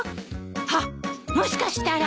ハッもしかしたら。